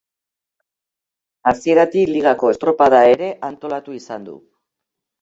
Hasieratik Ligako estropada ere antolatu izan du.